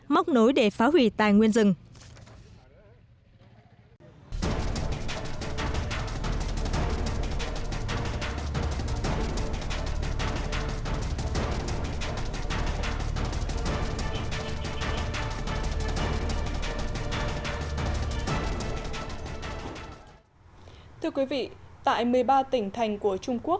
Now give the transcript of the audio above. móc nối để phá hủy tài nguyên rừng